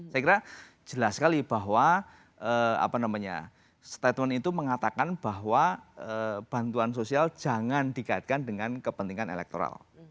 saya kira jelas sekali bahwa statement itu mengatakan bahwa bantuan sosial jangan dikaitkan dengan kepentingan elektoral